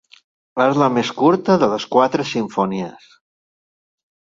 És la més curta de les quatre simfonies.